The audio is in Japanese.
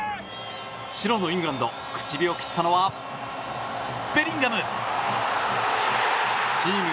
白のイングランド口火を切ったのはベリンガム。